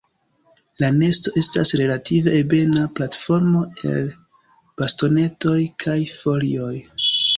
La nesto estas relative ebena platformo el bastonetoj kaj folioj.